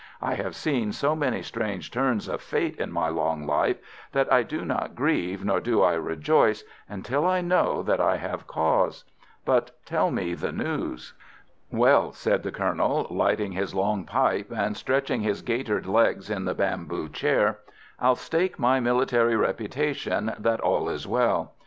"I have seen so many strange turns of Fate in my long life that I do not grieve nor do I rejoice until I know that I have cause. But tell me the news." "Well," said the Colonel, lighting his long pipe, and stretching his gaitered legs in the bamboo chair, "I'll stake my military reputation that all is well.